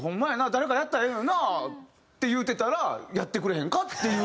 誰かやったらええのにな」って言うてたら「やってくれへんか？」っていう。